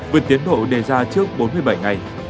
vượt tiến độ đề ra trước bốn mươi bảy ngày